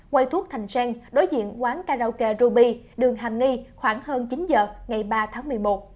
quay thuốc thành seng đối diện quán karaoke ruby đường hàm nghi khoảng hơn chín h ngày ba tháng một mươi một